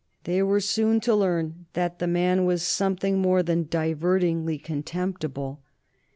They were soon to learn that the man was something more than divertingly contemptible.